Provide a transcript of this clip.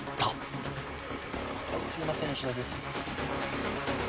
はいすいません吉田です。